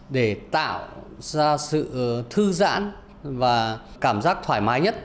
để tạo ra sự thư giãn và cảm giác thoải mái nhất